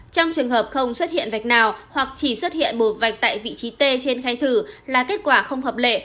trong trường hợp không xuất hiện vạch nào hoặc chỉ xuất hiện một vạch tại vị trí t trên khai thử là kết quả không hợp lệ